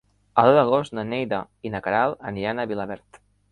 El deu d'agost na Neida i na Queralt aniran a Vilaverd.